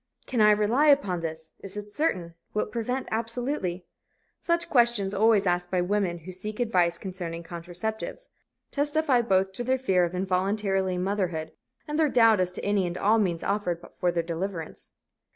"Can I rely upon this? Is it certain? Will it prevent absolutely?" Such questions, always asked by women who seek advice concerning contraceptives, testify both to their fear of involuntary motherhood and their doubt as to any and all means offered for their deliverance.